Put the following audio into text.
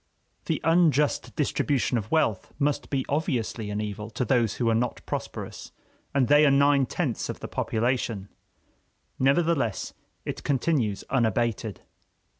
The unjust distribution of wealth must be obviously an evil to those who are not prosperous, and they are nine tenths of the population. Nevertheless it continues unabated.